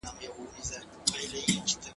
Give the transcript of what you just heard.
زه اوس لاس پرېولم!